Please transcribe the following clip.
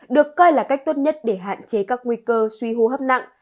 được coi là cách tốt nhất để hạn chế các nguy cơ suy hô hấp nặng